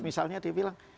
misalnya dia bilang